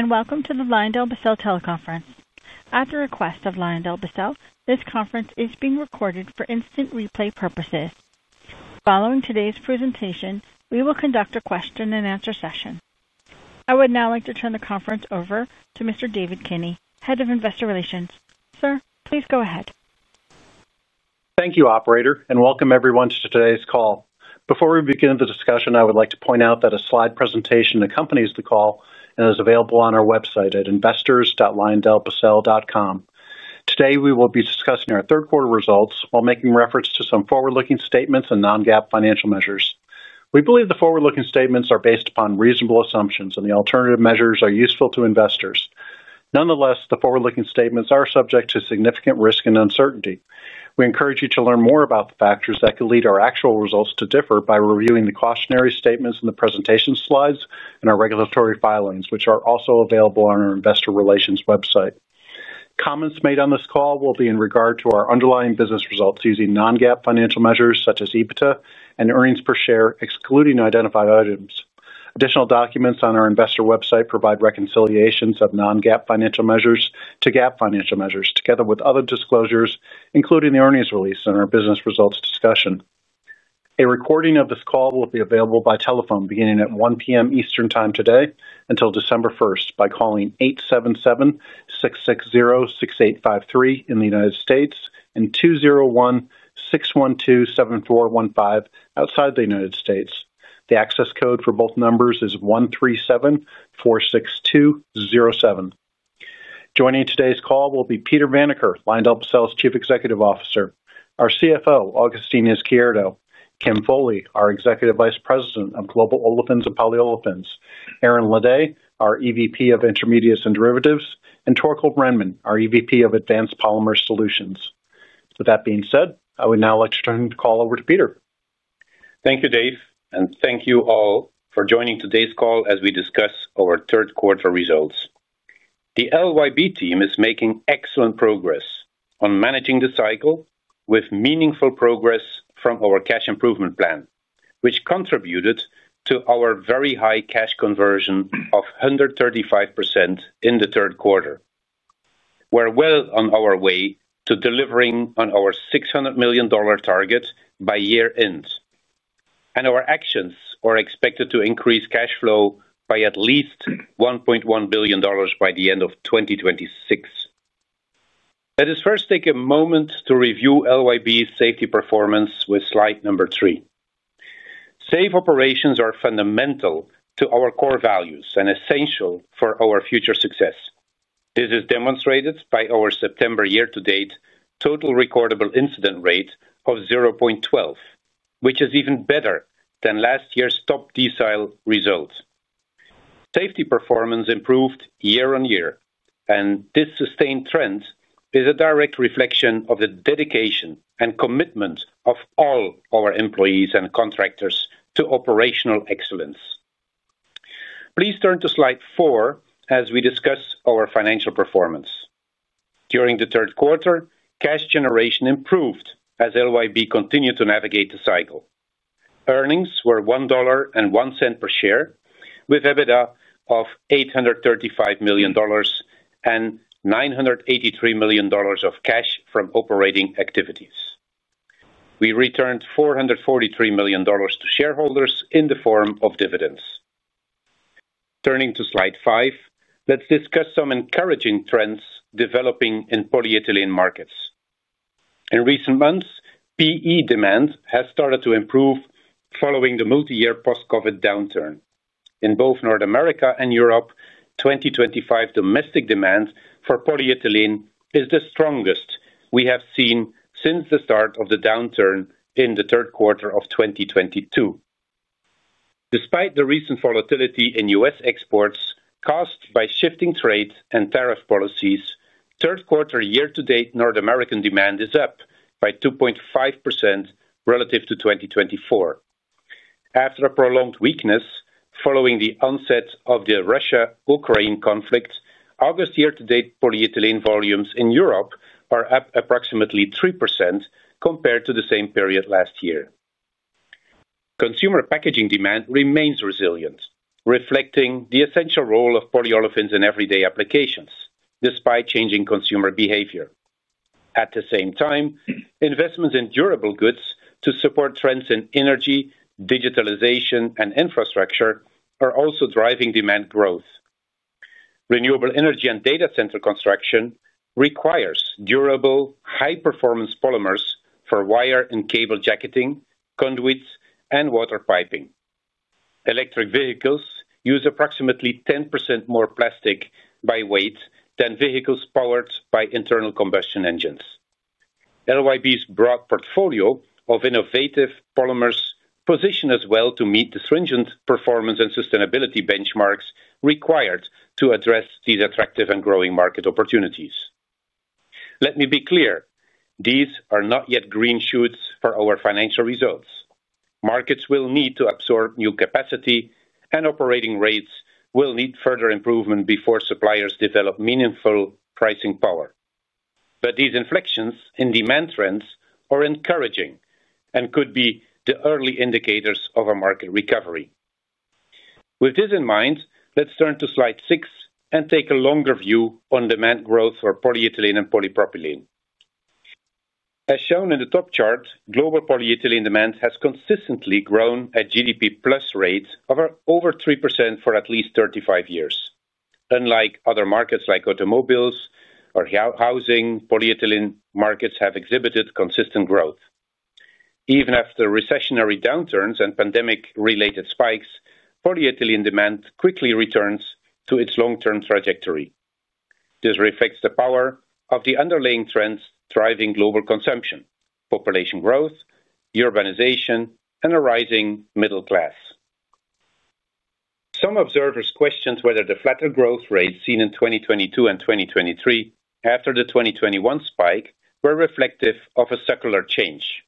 Hello, and welcome to the LyondellBasell teleconference. At the request of LyondellBasell, this conference is being recorded for instant replay purposes. Following today's presentation, we will conduct a question-and-answer session. I would now like to turn the conference over to Mr. David Kinney, Head of Investor Relations. Sir, please go ahead. Thank you, Operator, and welcome everyone to today's call. Before we begin the discussion, I would like to point out that a slide presentation accompanies the call and is available on our website at investors.lyondellbasell.com. Today, we will be discussing our third-quarter results while making reference to some forward-looking statements and non-GAAP financial measures. We believe the forward-looking statements are based upon reasonable assumptions, and the alternative measures are useful to investors. Nonetheless, the forward-looking statements are subject to significant risk and uncertainty. We encourage you to learn more about the factors that could lead our actual results to differ by reviewing the cautionary statements in the presentation slides and our regulatory filings, which are also available on our Investor Relations website. Comments made on this call will be in regard to our underlying business results using non-GAAP financial measures such as EBITDA and earnings per share, excluding identified items. Additional documents on our investor website provide reconciliations of non-GAAP financial measures to GAAP financial measures, together with other disclosures, including the earnings release and our business results discussion. A recording of this call will be available by telephone beginning at 1:00 P.M. Eastern Time today until December 1st by calling 877-660-6853 in the United States and 201-612-7415 outside the United States. The access code for both numbers is 137-462-07. Joining today's call will be Peter Vanacker, LyondellBasell's Chief Executive Officer, our CFO, Agustin Izquierdo, Kim Foley, our Executive Vice President of Olefins & Polyolefins, Aaron Ledet, our EVP of Intermediates and Derivatives, and Torkel Rhenman, our EVP of Advanced Polymer Solutions. With that being said, I would now like to turn the call over to Peter. Thank you, Dave, and thank you all for joining today's call as we discuss our third-quarter results. The LYB team is making excellent progress on managing the cycle with meaningful progress from our cash improvement plan, which contributed to our very high cash conversion of 135% in the third quarter. We're well on our way to delivering on our $600 million target by year-end. Our actions are expected to increase cash flow by at least $1.1 billion by the end of 2026. Let us first take a moment to review LYB's safety performance with slide number three. Safe operations are fundamental to our core values and essential for our future success. This is demonstrated by our September year-to-date total recordable incident rate of 0.12, which is even better than last year's top decile result. Safety performance improved year-on-year, and this sustained trend is a direct reflection of the dedication and commitment of all our employees and contractors to operational excellence. Please turn to slide four as we discuss our financial performance. During the third quarter, cash generation improved as LYB continued to navigate the cycle. Earnings were $1.01 per share with EBITDA of $835 million and $983 million of cash from operating activities. We returned $443 million to shareholders in the form of dividends. Turning to slide five, let's discuss some encouraging trends developing in polyethylene markets. In recent months, PE demand has started to improve following the multi-year post-COVID downturn. In both North America and Europe, 2025 domestic demand for polyethylene is the strongest we have seen since the start of the downturn in the third quarter of 2022. Despite the recent volatility in U.S. exports caused by shifting trade and tariff policies, third-quarter year-to-date North American demand is up by 2.5% relative to 2024. After a prolonged weakness following the onset of the Russia-Ukraine conflict, August year-to-date polyethylene volumes in Europe are up approximately 3% compared to the same period last year. Consumer packaging demand remains resilient, reflecting the essential role of polyolefins in everyday applications despite changing consumer behavior. At the same time, investments in durable goods to support trends in energy, digitalization, and infrastructure are also driving demand growth. Renewable energy and data center construction requires durable, high-performance polymers for wire and cable jacketing, conduits, and water piping. Electric vehicles use approximately 10% more plastic by weight than vehicles powered by internal combustion engines. LYB's broad portfolio of innovative polymers positions us well to meet the stringent performance and sustainability benchmarks required to address these attractive and growing market opportunities. Let me be clear: these are not yet green shoots for our financial results. Markets will need to absorb new capacity, and operating rates will need further improvement before suppliers develop meaningful pricing power. These inflections in demand trends are encouraging and could be the early indicators of a market recovery. With this in mind, let's turn to slide six and take a longer view on demand growth for polyethylene and polypropylene. As shown in the top chart, global polyethylene demand has consistently grown at GDP-plus rates of over 3% for at least 35 years. Unlike other markets like automobiles or housing, polyethylene markets have exhibited consistent growth. Even after recessionary downturns and pandemic-related spikes, polyethylene demand quickly returns to its long-term trajectory. This reflects the power of the underlying trends driving global consumption, population growth, urbanization, and a rising middle class. Some observers questioned whether the flatter growth rates seen in 2022 and 2023 after the 2021 spike were reflective of a secular change.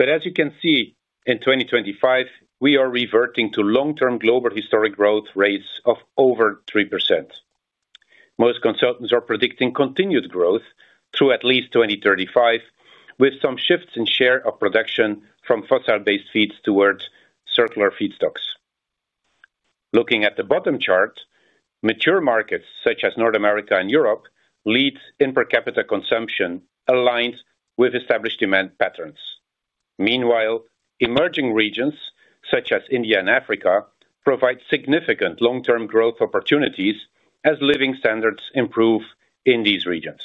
As you can see, in 2025, we are reverting to long-term global historic growth rates of over 3%. Most consultants are predicting continued growth through at least 2035, with some shifts in share of production from fossil-based feeds towards circular feedstocks. Looking at the bottom chart, mature markets such as North America and Europe lead in per capita consumption aligned with established demand patterns. Meanwhile, emerging regions such as India and Africa provide significant long-term growth opportunities as living standards improve in these regions.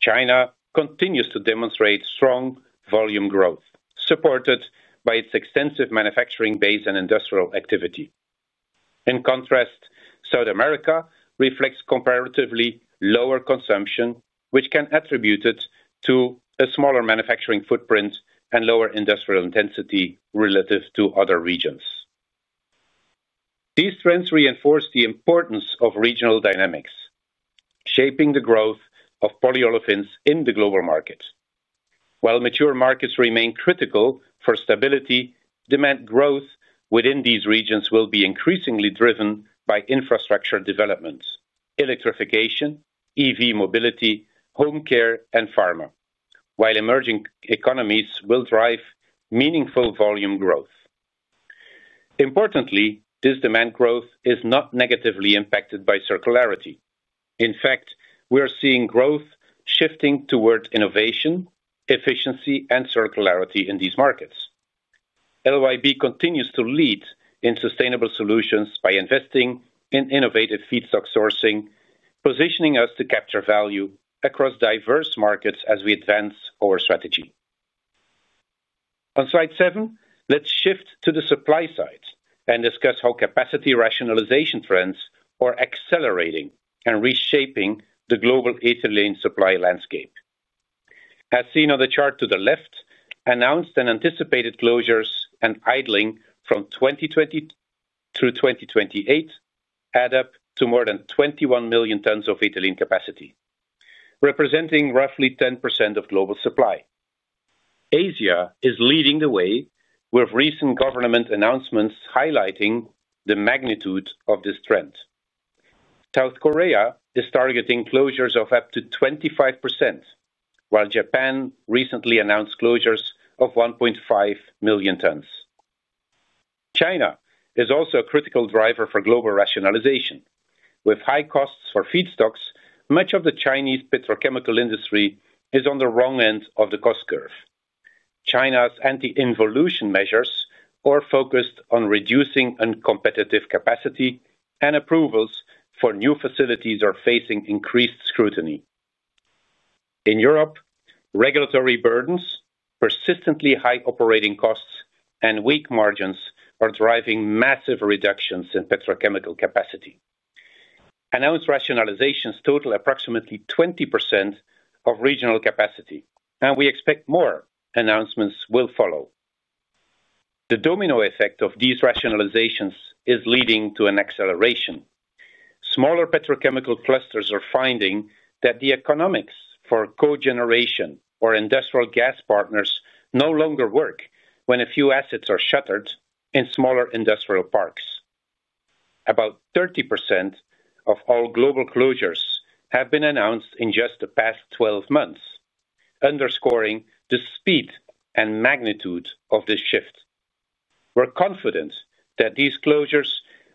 China continues to demonstrate strong volume growth, supported by its extensive manufacturing base and industrial activity. In contrast, South America reflects comparatively lower consumption, which can be attributed to a smaller manufacturing footprint and lower industrial intensity relative to other regions. These trends reinforce the importance of regional dynamics, shaping the growth of polyolefins in the global market. While mature markets remain critical for stability, demand growth within these regions will be increasingly driven by infrastructure developments: electrification, EV mobility, home care, and pharma, while emerging economies will drive meaningful volume growth. Importantly, this demand growth is not negatively impacted by circularity. In fact, we are seeing growth shifting toward innovation, efficiency, and circularity in these markets. LYB continues to lead in sustainable solutions by investing in innovative feedstock sourcing, positioning us to capture value across diverse markets as we advance our strategy. On slide seven, let's shift to the supply side and discuss how capacity rationalization trends are accelerating and reshaping the global ethylene supply landscape. As seen on the chart to the left, announced and anticipated closures and idling from 2020 through 2028 add up to more than 21 million tons of ethylene capacity, representing roughly 10% of global supply. Asia is leading the way with recent government announcements highlighting the magnitude of this trend. South Korea is targeting closures of up to 25%. Japan recently announced closures of 1.5 million tons. China is also a critical driver for global rationalization. With high costs for feedstocks, much of the Chinese petrochemical industry is on the wrong end of the cost curve. China's anti-involution measures are focused on reducing uncompetitive capacity, and approvals for new facilities are facing increased scrutiny. In Europe, regulatory burdens, persistently high operating costs, and weak margins are driving massive reductions in petrochemical capacity. Announced rationalizations total approximately 20% of regional capacity, and we expect more announcements will follow. The domino effect of these rationalizations is leading to an acceleration. Smaller petrochemical clusters are finding that the economics for cogeneration or industrial gas partners no longer work when a few assets are shuttered in smaller industrial parks. About 30% of all global closures have been announced in just the past 12 months, underscoring the speed and magnitude of this shift. We're confident that these closures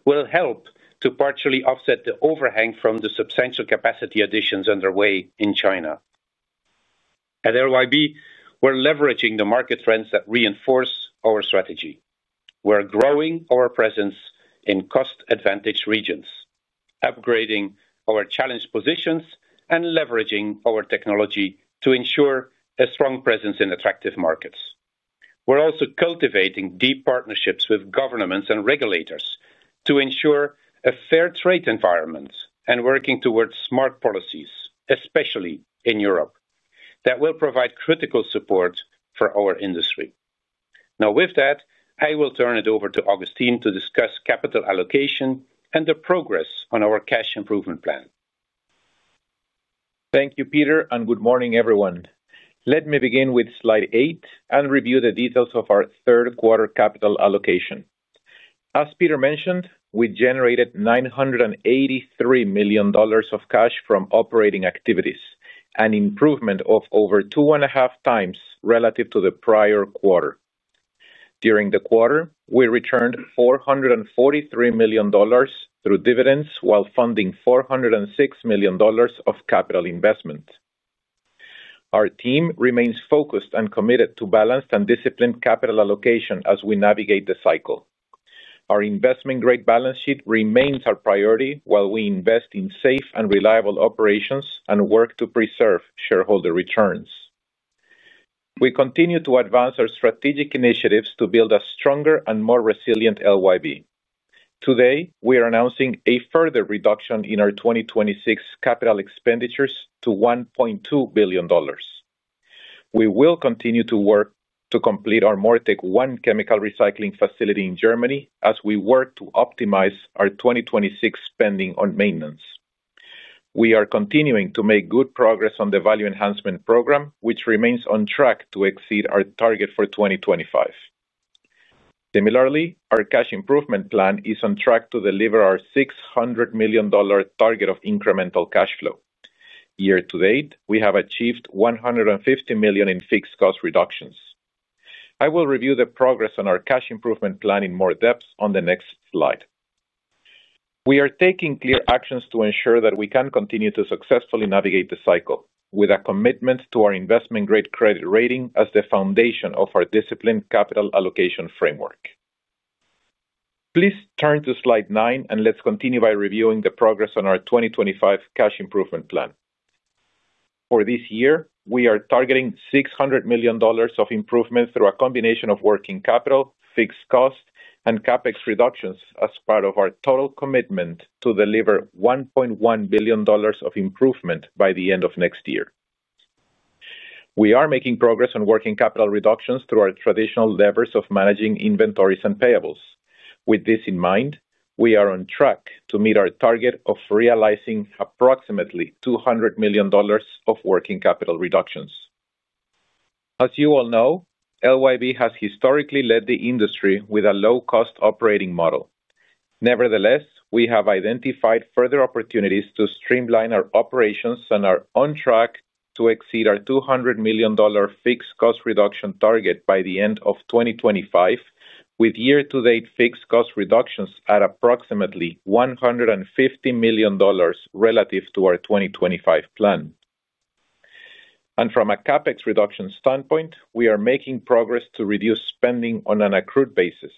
will help to partially offset the overhang from the substantial capacity additions underway in China. At LYB, we're leveraging the market trends that reinforce our strategy. We're growing our presence in cost-advantage regions, upgrading our challenge positions, and leveraging our technology to ensure a strong presence in attractive markets. We're also cultivating deep partnerships with governments and regulators to ensure a fair trade environment and working towards smart policies, especially in Europe, that will provide critical support for our industry. Now, with that, I will turn it over to Agustin to discuss capital allocation and the progress on our cash improvement plan. Thank you, Peter, and good morning, everyone. Let me begin with slide eight and review the details of our third-quarter capital allocation. As Peter mentioned, we generated $983 million of cash from operating activities, an improvement of over two and a half times relative to the prior quarter. During the quarter, we returned $443 million through dividends while funding $406 million of capital investment. Our team remains focused and committed to balanced and disciplined capital allocation as we navigate the cycle. Our investment-grade balance sheet remains our priority while we invest in safe and reliable operations and work to preserve shareholder returns. We continue to advance our strategic initiatives to build a stronger and more resilient LYB. Today, we are announcing a further reduction in our 2026 capital expenditures to $1.2 billion. We will continue to work to complete our MoReTec-1 chemical recycling facility in Germany as we work to optimize our 2026 spending on maintenance. We are continuing to make good progress on the value enhancement program, which remains on track to exceed our target for 2025. Similarly, our cash improvement plan is on track to deliver our $600 million target of incremental cash flow. Year-to-date, we have achieved $150 million in fixed cost reductions. I will review the progress on our cash improvement plan in more depth on the next slide. We are taking clear actions to ensure that we can continue to successfully navigate the cycle with a commitment to our investment-grade credit rating as the foundation of our disciplined capital allocation framework. Please turn to slide nine, and let's continue by reviewing the progress on our 2025 cash improvement plan. For this year, we are targeting $600 million of improvement through a combination of working capital, fixed cost, and capital expenditures reductions as part of our total commitment to deliver $1.1 billion of improvement by the end of next year. We are making progress on working capital reductions through our traditional levers of managing inventories and payables. With this in mind, we are on track to meet our target of realizing approximately $200 million of working capital reductions. As you all know, LYB has historically led the industry with a low-cost operating model. Nevertheless, we have identified further opportunities to streamline our operations and are on track to exceed our $200 million fixed cost reduction target by the end of 2025, with year-to-date fixed cost reductions at approximately $150 million relative to our 2025 plan. From a capital expenditures reduction standpoint, we are making progress to reduce spending on an accrued basis,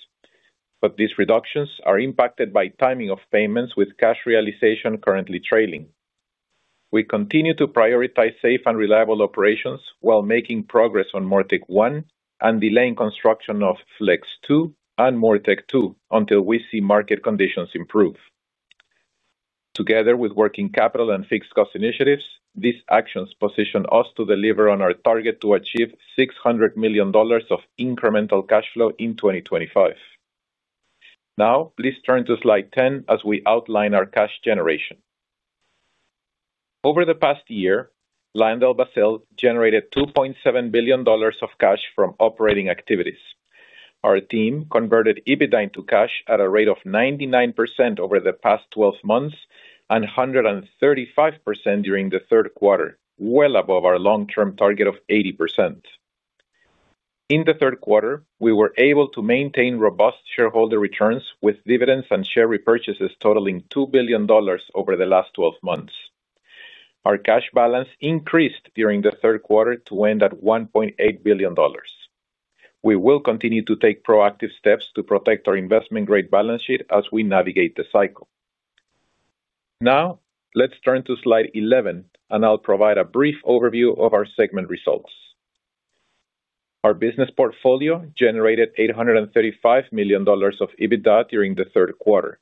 but these reductions are impacted by timing of payments with cash realization currently trailing. We continue to prioritize safe and reliable operations while making progress on MoReTec-1 and delaying construction of Flex-2 and MoReTec-2 until we see market conditions improve. Together with working capital and fixed cost initiatives, these actions position us to deliver on our target to achieve $600 million of incremental cash flow in 2025. Now, please turn to slide 10 as we outline our cash generation. Over the past year, LyondellBasell generated $2.7 billion of cash from operating activities. Our team converted EBITDA into cash at a rate of 99% over the past 12 months and 135% during the third quarter, well above our long-term target of 80%. In the third quarter, we were able to maintain robust shareholder returns with dividends and share repurchases totaling $2 billion over the last 12 months. Our cash balance increased during the third quarter to end at $1.8 billion. We will continue to take proactive steps to protect our investment-grade balance sheet as we navigate the cycle. Now, let's turn to slide 11, and I'll provide a brief overview of our segment results. Our business portfolio generated $835 million of EBITDA during the third quarter.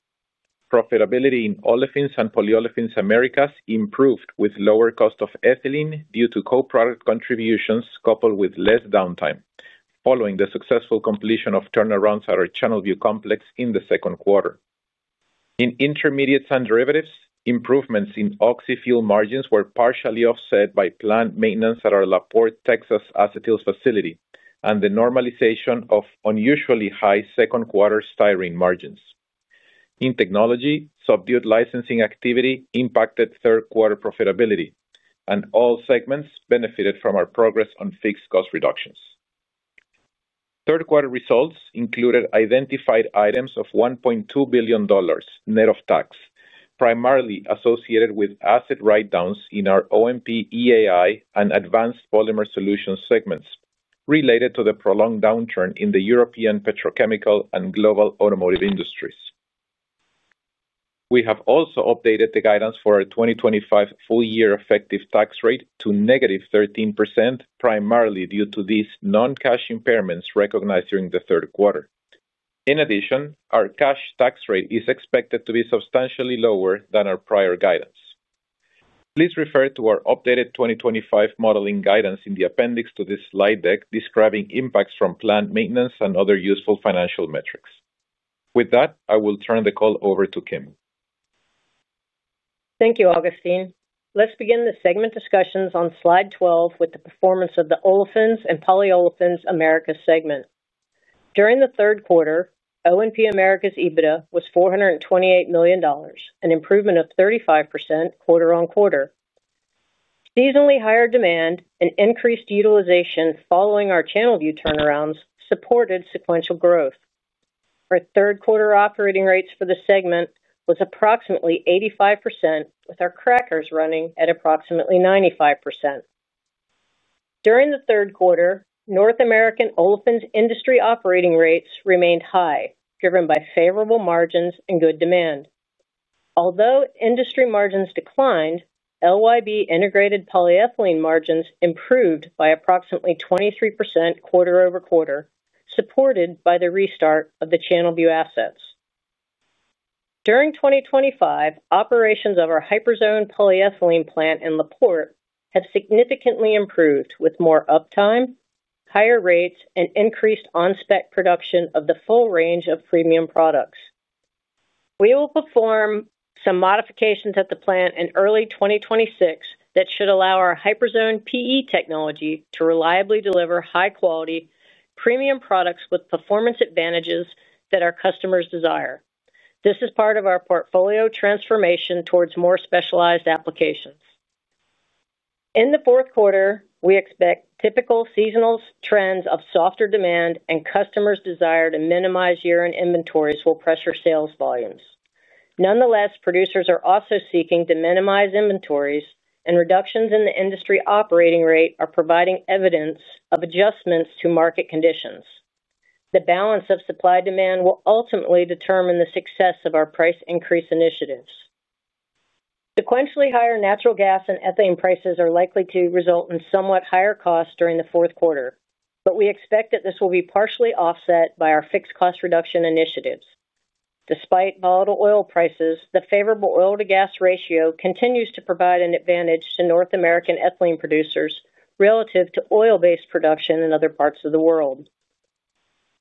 Profitability in Olefins & Polyolefins Americas improved with lower cost of ethylene due to co-product contributions coupled with less downtime, following the successful completion of turnarounds at our Channelview Complex in the second quarter. In intermediates and derivatives, improvements in oxy-fuel margins were partially offset by plant maintenance at our La Porte, Texas acetyl facility and the normalization of unusually high second-quarter styrene margins. In technology, subdued licensing activity impacted third-quarter profitability, and all segments benefited from our progress on fixed cost reductions. Third-quarter results included identified items of $1.2 billion net of tax, primarily associated with asset write-downs in our O&P-EAI, and advanced polymer solutions segments related to the prolonged downturn in the European petrochemical and global automotive industries. We have also updated the guidance for our 2025 full-year effective tax rate to -13%, primarily due to these non-cash impairments recognized during the third quarter. In addition, our cash tax rate is expected to be substantially lower than our prior guidance. Please refer to our updated 2025 modeling guidance in the appendix to this slide deck describing impacts from plant maintenance and other useful financial metrics. With that, I will turn the call over to Kim. Thank you, Agustin. Let's begin the segment discussions on slide 12 with the performance of the Olefins & Polyolefins America segment. During the third quarter, O&P America's EBITDA was $428 million, an improvement of 35% quarter on quarter. Seasonally higher demand and increased utilization following our Channelview turnarounds supported sequential growth. Our third-quarter operating rates for the segment were approximately 85%, with our crackers running at approximately 95%. During the third quarter, North American olefins industry operating rates remained high, driven by favorable margins and good demand. Although industry margins declined, LYB integrated polyethylene margins improved by approximately 23% quarter over quarter, supported by the restart of the Channelview assets. During 2023, operations of our Hyperzone PE plant in La Porte have significantly improved with more uptime, higher rates, and increased on-spec production of the full range of premium products. We will perform some modifications at the plant in early 2026 that should allow our Hyperzone PE technology to reliably deliver high-quality premium products with performance advantages that our customers desire. This is part of our portfolio transformation towards more specialized applications. In the fourth quarter, we expect typical seasonal trends of softer demand and customers' desire to minimize year-end inventories will pressure sales volumes. Nonetheless, producers are also seeking to minimize inventories, and reductions in the industry operating rate are providing evidence of adjustments to market conditions. The balance of supply-demand will ultimately determine the success of our price increase initiatives. Sequentially higher natural gas and ethane prices are likely to result in somewhat higher costs during the fourth quarter, but we expect that this will be partially offset by our fixed cost reduction initiatives. Despite volatile oil prices, the favorable oil-to-gas ratio continues to provide an advantage to North American ethylene producers relative to oil-based production in other parts of the world.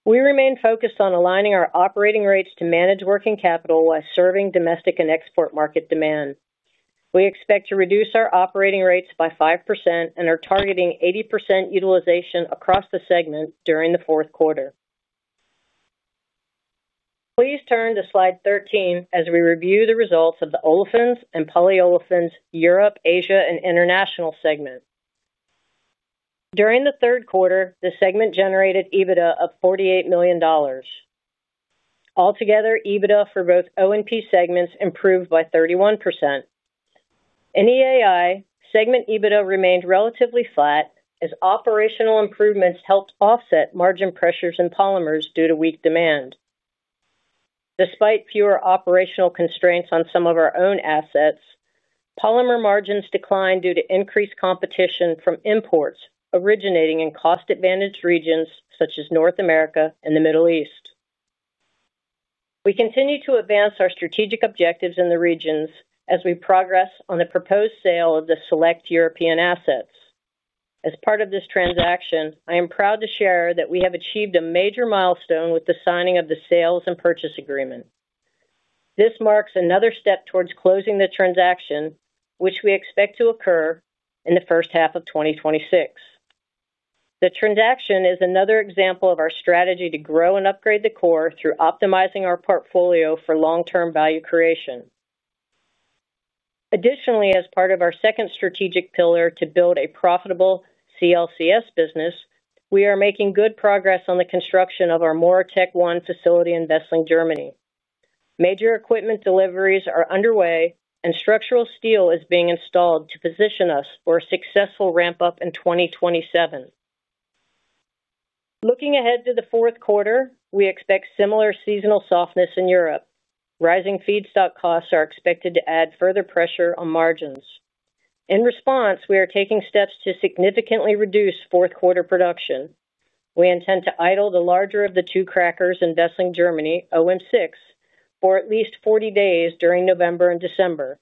We remain focused on aligning our operating rates to manage working capital while serving domestic and export market demand. We expect to reduce our operating rates by 5% and are targeting 80% utilization across the segment during the fourth quarter. Please turn to slide 13 as we review the results of the Olefins & Polyolefins Europe, Asia, and International segment. During the third quarter, the segment generated EBITDA of $48 million. Altogether, EBITDA for both O&P segments improved by 31%. In EAI, segment EBITDA remained relatively flat as operational improvements helped offset margin pressures in polymers due to weak demand. Despite fewer operational constraints on some of our own assets, polymer margins declined due to increased competition from imports originating in cost-advantaged regions such as North America and the Middle East. We continue to advance our strategic objectives in the regions as we progress on the proposed sale of the select European assets. As part of this transaction, I am proud to share that we have achieved a major milestone with the signing of the sales and purchase agreement. This marks another step towards closing the transaction, which we expect to occur in the first half of 2026. The transaction is another example of our strategy to grow and upgrade the core through optimizing our portfolio for long-term value creation. Additionally, as part of our second strategic pillar to build a profitable CLCS business, we are making good progress on the construction of our MoReTec-1 facility in Germany. Major equipment deliveries are underway, and structural steel is being installed to position us for a successful ramp-up in 2027. Looking ahead to the fourth quarter, we expect similar seasonal softness in Europe. Rising feedstock costs are expected to add further pressure on margins. In response, we are taking steps to significantly reduce fourth-quarter production. We intend to idle the larger of the two crackers in Wesseling, Germany, OM6, for at least 40 days during November and December.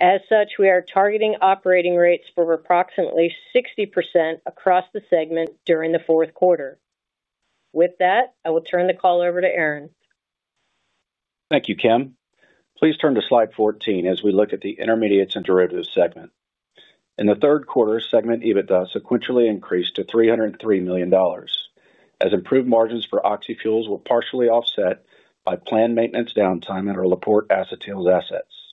As such, we are targeting operating rates for approximately 60% across the segment during the fourth quarter. With that, I will turn the call over to Aaron. Thank you, Kim. Please turn to slide 14 as we look at the intermediates and derivatives segment. In the third quarter, segment EBITDA sequentially increased to $303 million, as improved margins for oxy-fuels were partially offset by plant maintenance downtime in our La Porte acetyl assets.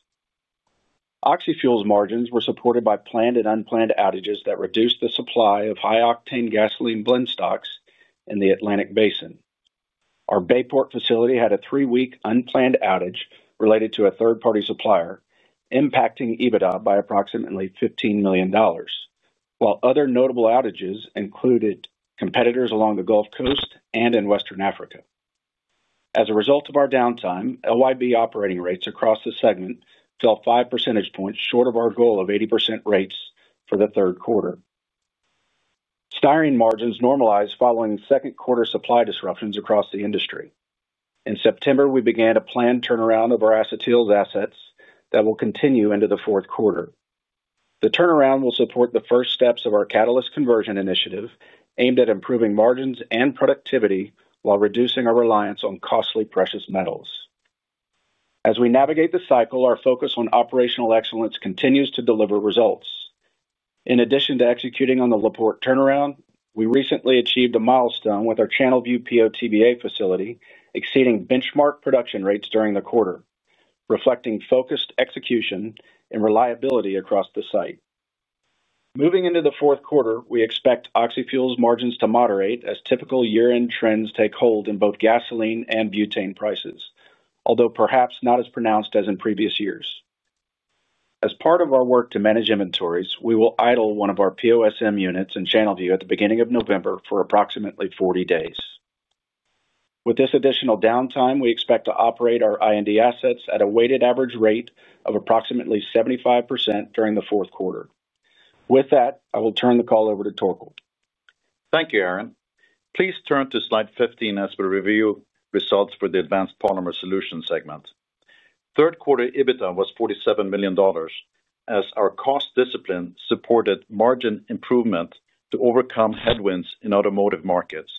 Oxy-fuels margins were supported by planned and unplanned outages that reduced the supply of high-octane gasoline blend stocks in the Atlantic Basin. Our Bayport facility had a three-week unplanned outage related to a third-party supplier, impacting EBITDA by approximately $15 million, while other notable outages included competitors along the Gulf Coast and in Western Africa. As a result of our downtime, LYB operating rates across the segment fell 5% short of our goal of 80% rates for the third quarter. Styrene margins normalized following second-quarter supply disruptions across the industry. In September, we began a planned turnaround of our acetyl assets that will continue into the fourth quarter. The turnaround will support the first steps of our catalyst conversion initiative aimed at improving margins and productivity while reducing our reliance on costly precious metals. As we navigate the cycle, our focus on operational excellence continues to deliver results. In addition to executing on the La Porte turnaround, we recently achieved a milestone with our Channelview PO/TBA facility exceeding benchmark production rates during the quarter, reflecting focused execution and reliability across the site. Moving into the fourth quarter, we expect oxy-fuels margins to moderate as typical year-end trends take hold in both gasoline and butane prices, although perhaps not as pronounced as in previous years. As part of our work to manage inventories, we will idle one of our PO/SM units in Channelview at the beginning of November for approximately 40 days. With this additional downtime, we expect to operate our intermediates and derivatives assets at a weighted average rate of approximately 75% during the fourth quarter. With that, I will turn the call over to Torkel. Thank you, Aaron. Please turn to slide 15 as we review results for the Advanced Polymer Solutions segment. Third-quarter EBITDA was $47 million, as our cost discipline supported margin improvement to overcome headwinds in automotive markets.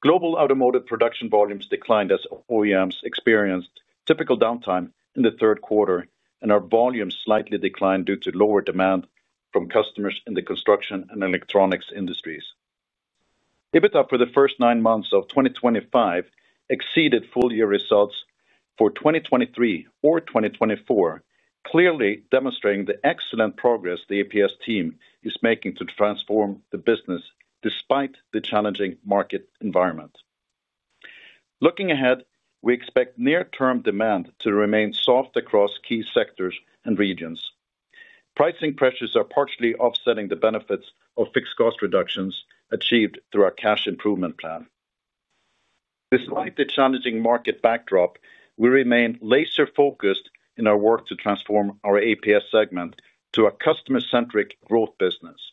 Global automotive production volumes declined as OEMs experienced typical downtime in the third quarter, and our volumes slightly declined due to lower demand from customers in the construction and electronics industries. EBITDA for the first nine months of 2025 exceeded full-year results for 2023 or 2024, clearly demonstrating the excellent progress the APS team is making to transform the business despite the challenging market environment. Looking ahead, we expect near-term demand to remain soft across key sectors and regions. Pricing pressures are partially offsetting the benefits of fixed cost reductions achieved through our cash improvement plan. Despite the challenging market backdrop, we remain laser-focused in our work to transform our APS segment to a customer-centric growth business.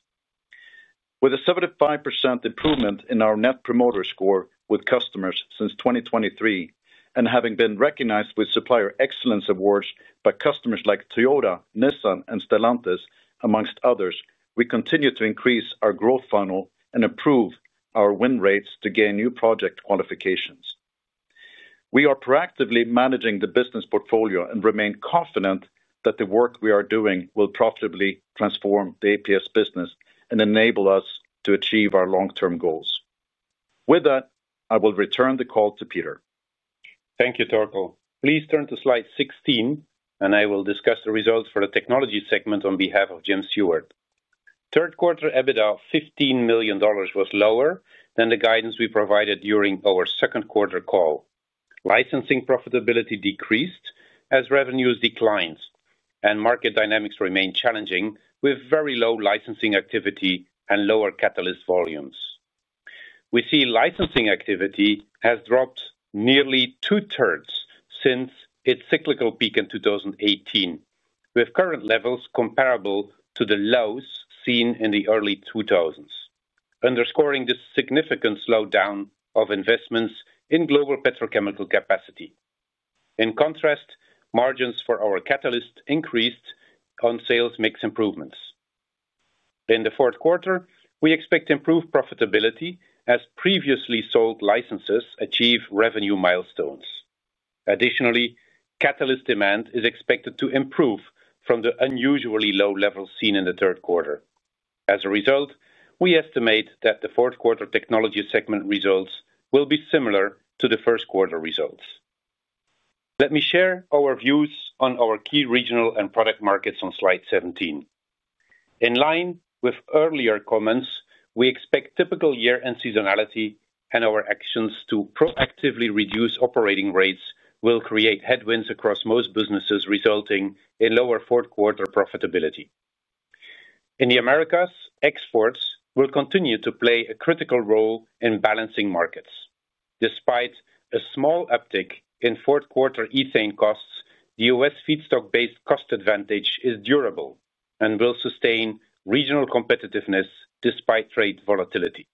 With a 75% improvement in our net promoter score with customers since 2023 and having been recognized with Supplier Excellence Awards by customers like Toyota, Nissan, and Stellantis, amongst others, we continue to increase our growth funnel and improve our win rates to gain new project qualifications. We are proactively managing the business portfolio and remain confident that the work we are doing will profitably transform the APS business and enable us to achieve our long-term goals. With that, I will return the call to Peter. Thank you, Torkel. Please turn to slide 16, and I will discuss the results for the technology segment on behalf of Jim Seward. Third-quarter EBITDA of $15 million was lower than the guidance we provided during our second-quarter call. Licensing profitability decreased as revenues declined, and market dynamics remain challenging with very low licensing activity and lower catalyst volumes. We see licensing activity has dropped nearly 2/3 since its cyclical peak in 2018, with current levels comparable to the lows seen in the early 2000s, underscoring the significant slowdown of investments in global petrochemical capacity. In contrast, margins for our catalyst increased on sales mix improvements. In the fourth quarter, we expect improved profitability as previously sold licenses achieve revenue milestones. Additionally, catalyst demand is expected to improve from the unusually low levels seen in the third quarter. As a result, we estimate that the fourth-quarter technology segment results will be similar to the first-quarter results. Let me share our views on our key regional and product markets on slide 17. In line with earlier comments, we expect typical year-end seasonality and our actions to proactively reduce operating rates will create headwinds across most businesses, resulting in lower fourth-quarter profitability. In the Americas, exports will continue to play a critical role in balancing markets. Despite a small uptick in fourth-quarter ethane costs, the U.S. feedstock-based cost advantage is durable and will sustain regional competitiveness despite trade volatility.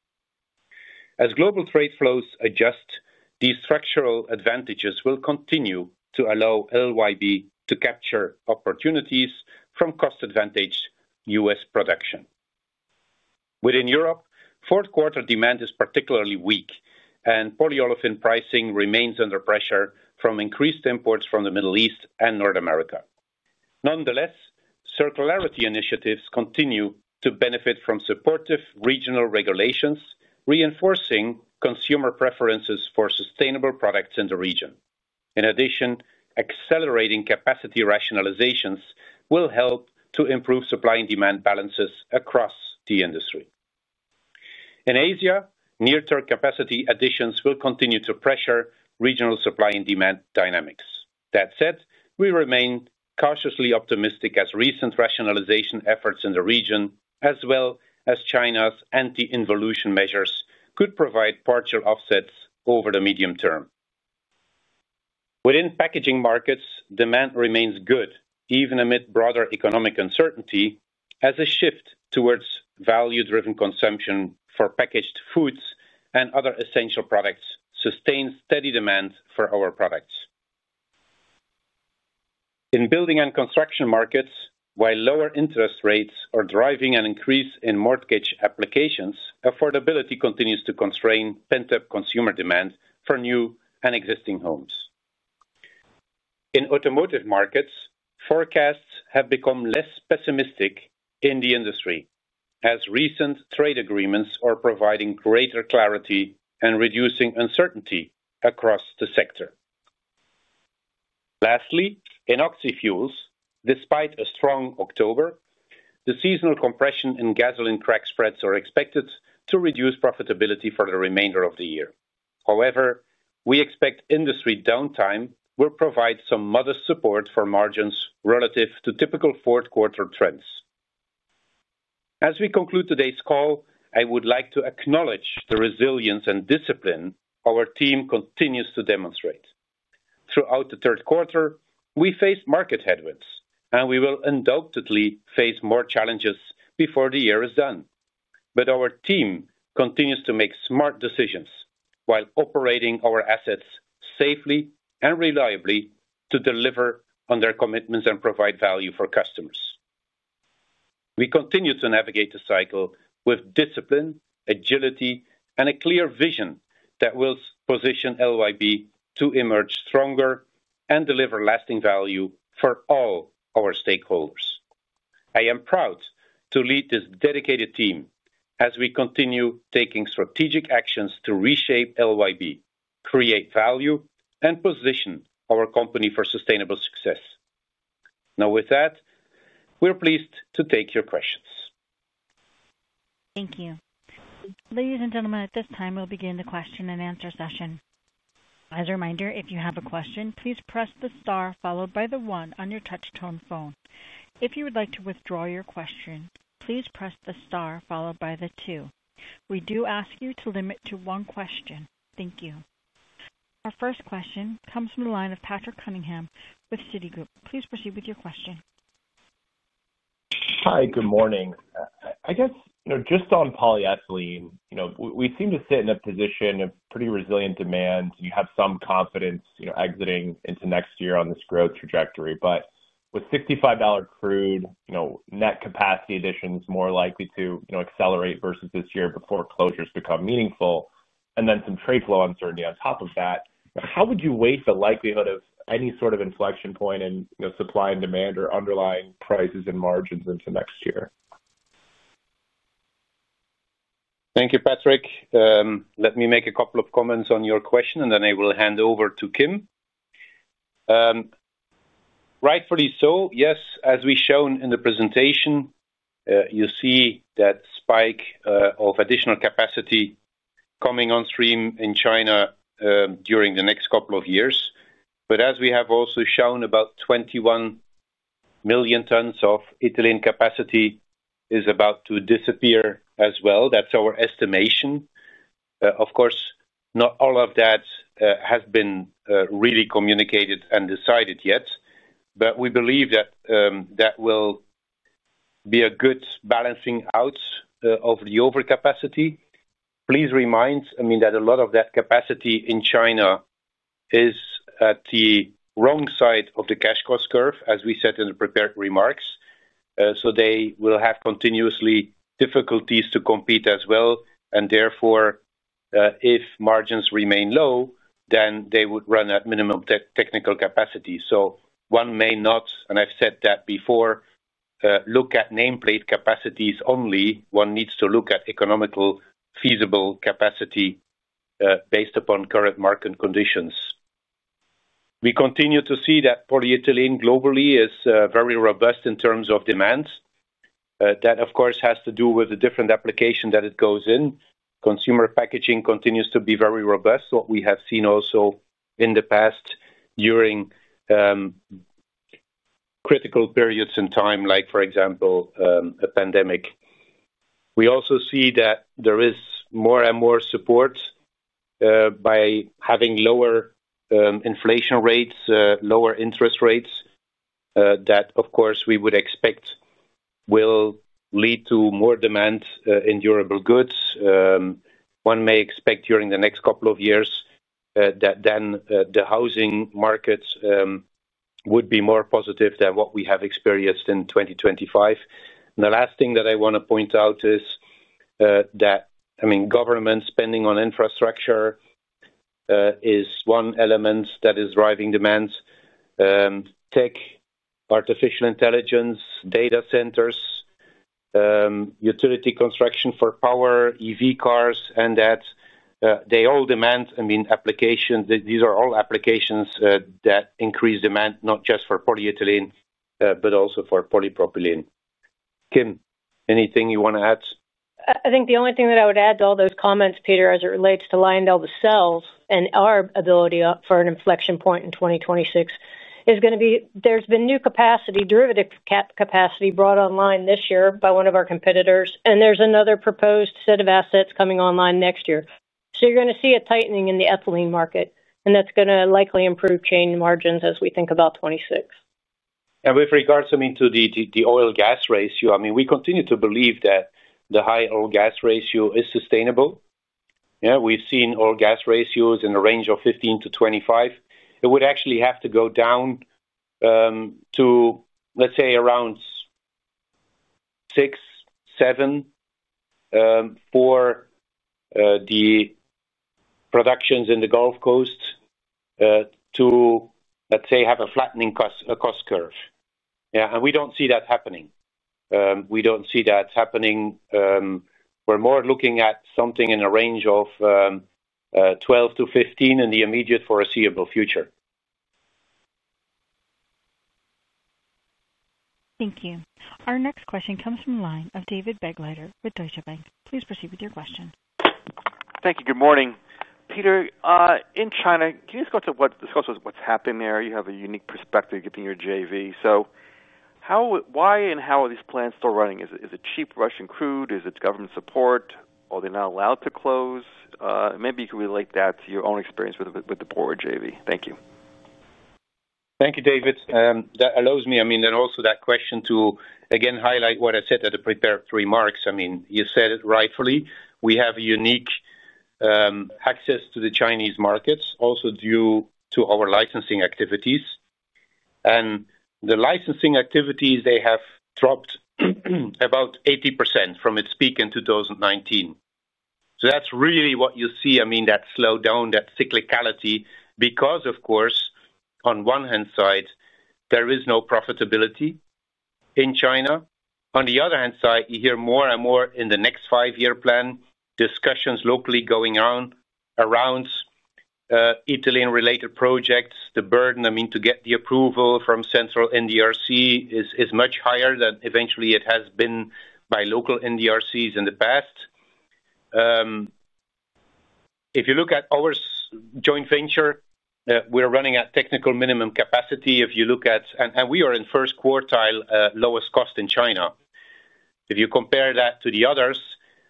As global trade flows adjust, these structural advantages will continue to allow LYB to capture opportunities from cost-advantaged U.S. production. Within Europe, fourth-quarter demand is particularly weak, and polyolefin pricing remains under pressure from increased imports from the Middle East and North America. Nonetheless, circularity initiatives continue to benefit from supportive regional regulations, reinforcing consumer preferences for sustainable products in the region. In addition, accelerating capacity rationalizations will help to improve supply and demand balances across the industry. In Asia, near-term capacity additions will continue to pressure regional supply and demand dynamics. That said, we remain cautiously optimistic as recent rationalization efforts in the region, as well as China's anti-involution measures, could provide partial offsets over the medium term. Within packaging markets, demand remains good, even amid broader economic uncertainty, as a shift towards value-driven consumption for packaged foods and other essential products sustains steady demand for our products. In building and construction markets, while lower interest rates are driving an increase in mortgage applications, affordability continues to constrain pent-up consumer demand for new and existing homes. In automotive markets, forecasts have become less pessimistic in the industry, as recent trade agreements are providing greater clarity and reducing uncertainty across the sector. Lastly, in oxy-fuels, despite a strong October, the seasonal compression in gasoline crack spreads is expected to reduce profitability for the remainder of the year. However, we expect industry downtime will provide some modest support for margins relative to typical fourth-quarter trends. As we conclude today's call, I would like to acknowledge the resilience and discipline our team continues to demonstrate. Throughout the third quarter, we faced market headwinds, and we will undoubtedly face more challenges before the year is done. Our team continues to make smart decisions while operating our assets safely and reliably to deliver on their commitments and provide value for customers. We continue to navigate the cycle with discipline, agility, and a clear vision that will position LYB to emerge stronger and deliver lasting value for all our stakeholders. I am proud to lead this dedicated team as we continue taking strategic actions to reshape LYB, create value, and position our company for sustainable success. Now, with that, we're pleased to take your questions. Thank you. Ladies and gentlemen, at this time, we'll begin the question-and-answer session. As a reminder, if you have a question, please press the star followed by the one on your touch-tone phone. If you would like to withdraw your question, please press the star followed by the two. We do ask you to limit to one question. Thank you. Our first question comes from the line of Patrick Cunningham with Citigroup. Please proceed with your question. Hi. Good morning. I guess just on polyethylene, we seem to sit in a position of pretty resilient demand. You have some confidence exiting into next year on this growth trajectory. With $65 crude, net capacity additions more likely to accelerate versus this year before closures become meaningful, and then some trade flow uncertainty on top of that, how would you weight the likelihood of any sort of inflection point in supply and demand or underlying prices and margins into next year? Thank you, Patrick. Let me make a couple of comments on your question, and then I will hand over to Kim. Rightfully so. Yes, as we've shown in the presentation, you see that spike of additional capacity coming on stream in China during the next couple of years. As we have also shown, about 21 million tons of ethylene capacity is about to disappear as well. That's our estimation. Of course, not all of that has been really communicated and decided yet, but we believe that that will be a good balancing out of the overcapacity. Please remind me that a lot of that capacity in China is at the wrong side of the cash cost curve, as we said in the prepared remarks. They will have continuously difficulties to compete as well. Therefore, if margins remain low, then they would run at minimum technical capacity. One may not, and I've said that before, look at nameplate capacities only. One needs to look at economically feasible capacity. Based upon current market conditions, we continue to see that polyethylene globally is very robust in terms of demands. That, of course, has to do with the different application that it goes in. Consumer packaging continues to be very robust, what we have seen also in the past during critical periods in time, like, for example, a pandemic. We also see that there is more and more support by having lower inflation rates, lower interest rates. That, of course, we would expect, will lead to more demand in durable goods. One may expect during the next couple of years that then the housing markets would be more positive than what we have experienced in 2025. The last thing that I want to point out is that, I mean, government spending on infrastructure is one element that is driving demands. Tech, artificial intelligence, data centers, utility construction for power, EV cars, and that they all demand, I mean, applications. These are all applications that increase demand, not just for polyethylene, but also for polypropylene. Kim, anything you want to add? I think the only thing that I would add to all those comments, Peter, as it relates to LyondellBasell and our ability for an inflection point in 2026, is going to be there's been new capacity, derivative capacity brought online this year by one of our competitors. There's another proposed set of assets coming online next year. You're going to see a tightening in the ethylene market, and that's going to likely improve chain margins as we think about 2026. With regards to the oil-gas ratio, we continue to believe that the high oil-gas ratio is sustainable. We've seen oil-gas ratios in the range of 15-25. It would actually have to go down to, let's say, around 6 or 7 for the productions in the Gulf Coast to have a flattening cost curve. We don't see that happening. We're more looking at something in the range of 12-15 in the immediate foreseeable future. Thank you. Our next question comes from the line of David Begleiter with Deutsche Bank. Please proceed with your question. Thank you. Good morning. Peter, in China, can you just go into what's happening there? You have a unique perspective given your JV. Why and how are these plants still running? Is it cheap Russian crude? Is it government support? Are they not allowed to close? Maybe you could relate that to your own experience with the [poorer] JV. Thank you. Thank you, David. That allows me, I mean, then also that question to, again, highlight what I said at the prepared remarks. You said it rightfully. We have unique access to the Chinese markets, also due to our licensing activities. The licensing activities have dropped about 80% from its peak in 2019. That's really what you see, that slowdown, that cyclicality, because, of course, on one hand side, there is no profitability in China. On the other hand side, you hear more and more in the next five-year plan discussions locally going on around ethylene-related projects. The burden to get the approval from central NDRC is much higher than eventually it has been by local NDRCs in the past. If you look at our joint venture, we're running at technical minimum capacity. We are in first quartile lowest cost in China. If you compare that to the others,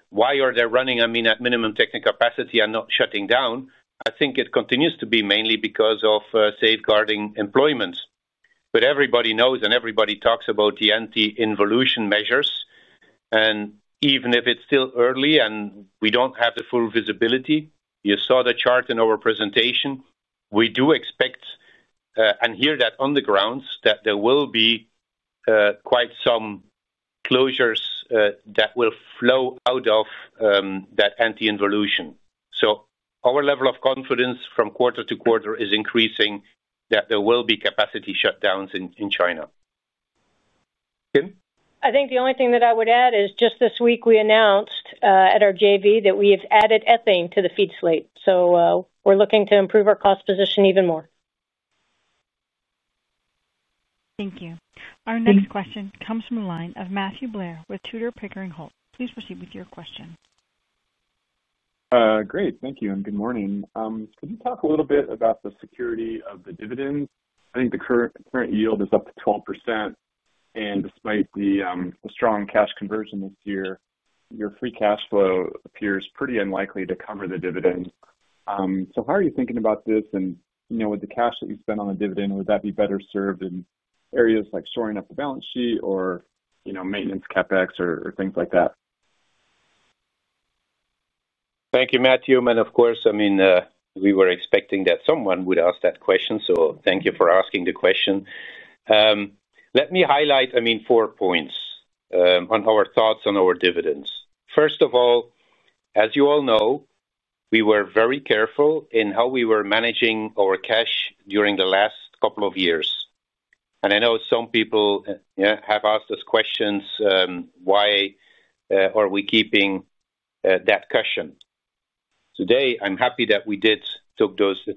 why are they running at minimum technical capacity and not shutting down? I think it continues to be mainly because of safeguarding employment. Everybody knows and everybody talks about the anti-involution measures. Even if it's still early and we don't have the full visibility, you saw the chart in our presentation, we do expect and hear that on the grounds that there will be quite some closures that will flow out of that anti-involution. Our level of confidence from quarter to quarter is increasing that there will be capacity shutdowns in China. Kim? I think the only thing that I would add is just this week we announced at our JV that we have added ethane to the feed slate. We're looking to improve our cost position even more. Thank you. Our next question comes from the line of Matthew Blair with Tudor, Pickering, Holt. Please proceed with your question. Great. Thank you. Good morning. Can you talk a little bit about the security of the dividends? I think the current yield is up to 12%. Despite the strong cash conversion this year, your free cash flow appears pretty unlikely to cover the dividend. How are you thinking about this? With the cash that you spend on the dividend, would that be better served in areas like shoring up the balance sheet or maintenance CapEx or things like that? Thank you, Matthew. Of course, we were expecting that someone would ask that question. Thank you for asking the question. Let me highlight four points on our thoughts on our dividends. First of all, as you all know, we were very careful in how we were managing our cash during the last couple of years. I know some people have asked us questions, why are we keeping that cushion? Today, I'm happy that we did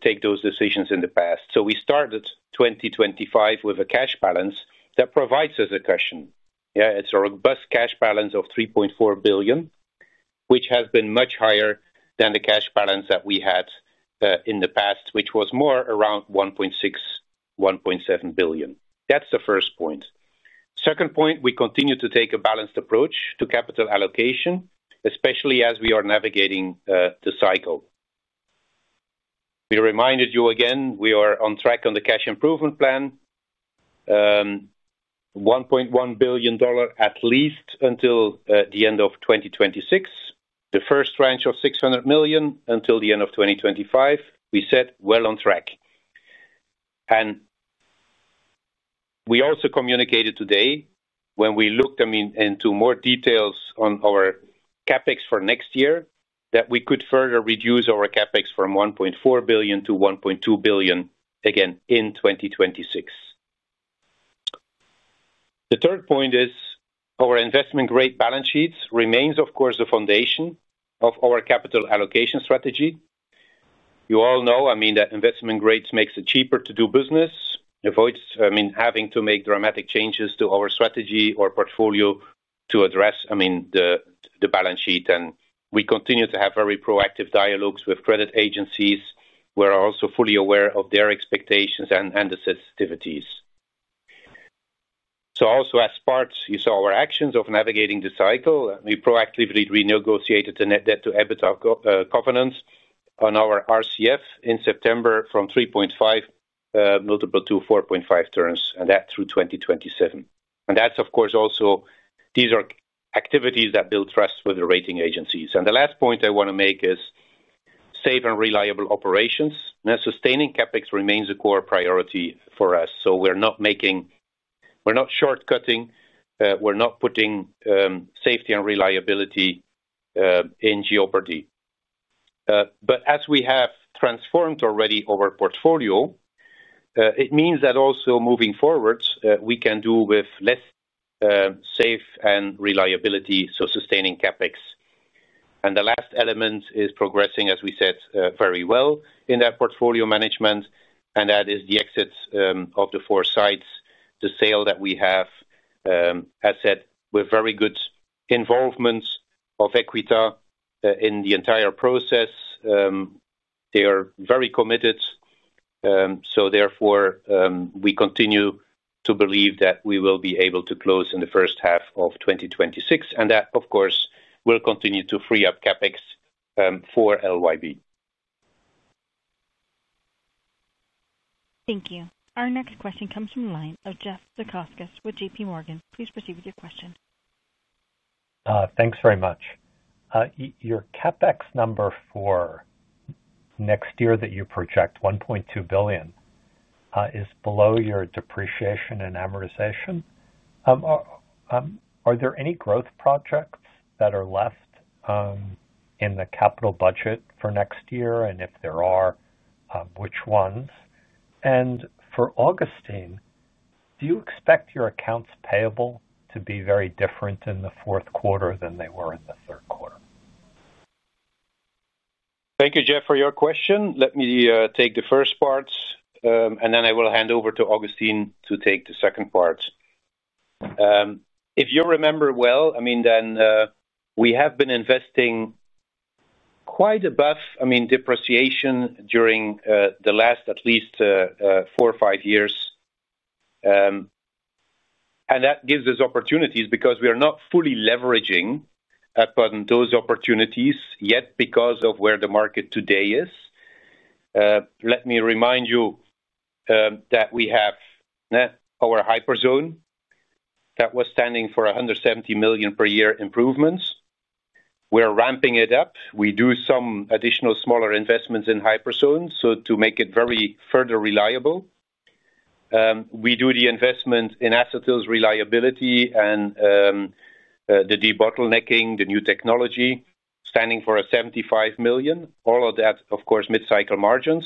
take those decisions in the past. We started 2025 with a cash balance that provides us a cushion. It's a robust cash balance of $3.4 billion, which has been much higher than the cash balance that we had in the past, which was more around $1.6 billion, $1.7 billion. That's the first point. Second point, we continue to take a balanced approach to capital allocation, especially as we are navigating the cycle. We reminded you again, we are on track on the cash improvement plan. $1.1 billion at least until the end of 2026, the first tranche of $600 million until the end of 2025. We said, "Well on track." We also communicated today when we looked into more details on our CapEx for next year that we could further reduce our CapEx from $1.4 billion to $1.2 billion again in 2026. The third point is our investment-grade balance sheet remains, of course, the foundation of our capital allocation strategy. You all know that investment grades make it cheaper to do business, avoids having to make dramatic changes to our strategy or portfolio to address the balance sheet. We continue to have very proactive dialogues with credit agencies. We're also fully aware of their expectations and the sensitivities. Also, as part, you saw our actions of navigating the cycle. We proactively renegotiated the net debt-to-equity covenants on our RCF in September from 3.5x to 4.5x and that through 2027. These are activities that build trust with the rating agencies. The last point I want to make is safe and reliable operations. Sustaining CapEx remains a core priority for us. We're not making, we're not shortcutting, we're not putting safety and reliability in jeopardy. As we have transformed already our portfolio, it means that also moving forward, we can do with less. Safe and reliability, so sustaining CapEx. The last element is progressing, as we said, very well in that portfolio management. That is the exits of the four sites, the sale that we have, as said, with very good involvement of AEQUITA in the entire process. They are very committed. Therefore, we continue to believe that we will be able to close in the first half of 2026. That, of course, will continue to free up CapEx for LYB. Thank you. Our next question comes from the line of Jeff Zekauskas with JPMorgan. Please proceed with your question. Thanks very much. Your CapEx number for next year that you project, $1.2 billion, is below your depreciation and amortization. Are there any growth projects that are left in the capital budget for next year? If there are, which ones? For Agustin, do you expect your accounts payable to be very different in the fourth quarter than they were in the third quarter? Thank you, Jeff, for your question. Let me take the first part. I will hand over to Agustin to take the second part. If you remember well, we have been investing quite above depreciation during the last at least four or five years. That gives us opportunities because we are not fully leveraging upon those opportunities yet because of where the market today is. Let me remind you that we have our Hyperzone that was standing for $170 million per year improvements. We're ramping it up. We do some additional smaller investments in Hyperzone to make it very further reliable. We do the investment in ethylene reliability and the debottlenecking, the new technology standing for $75 million. All of that, of course, mid-cycle margins.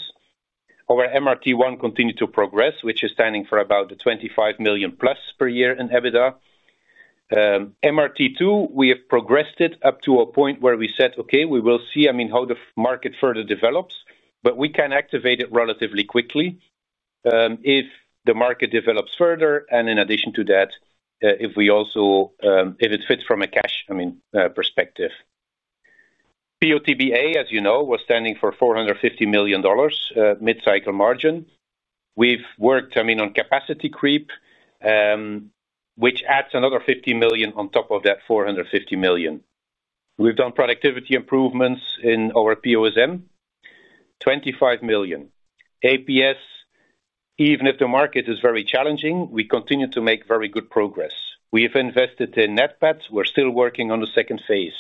Our MRT-1 continued to progress, which is standing for about $25+ million per year in EBITDA. MRT-2, we have progressed it up to a point where we said, "Okay, we will see how the market further develops," but we can activate it relatively quickly if the market develops further and if it fits from a cash perspective. PO/TBA, as you know, was standing for $450 million mid-cycle margin. We've worked on capacity creep, which adds another $50 million on top of that $450 million. We've done productivity improvements in our PO/SM, $25 million. APS, even if the market is very challenging, we continue to make very good progress. We have invested in NATPET. We're still working on the second phase.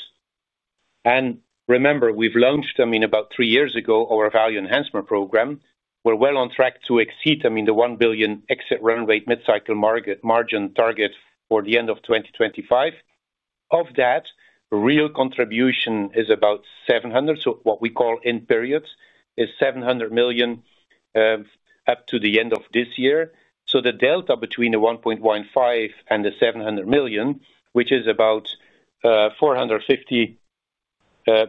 Remember, we've launched about three years ago our value enhancement program. We're well on track to exceed the $1 billion exit run rate mid-cycle margin target for the end of 2025. Of that, real contribution is about $700 million. What we call end period is $700 million up to the end of this year. The delta between the $1.15 billion and the $700 million, which is about $450